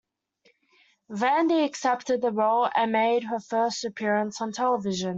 Vandi accepted the role and made her first appearance on television.